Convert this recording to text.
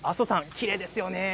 きれいですよね。